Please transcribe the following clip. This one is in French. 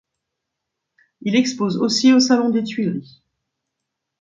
Il expose aussi au Salon des Tuileries.